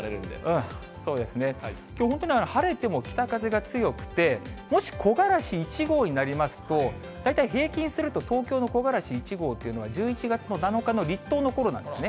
でも本当に晴れても北風が強くて、もし木枯らし１号になりますと、大体平均すると東京の木枯らし１号というのは１１月の７日の立冬のころなんですね。